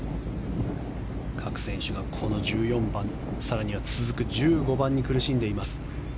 各選手が１４番更に続く１５番に苦しんでいます。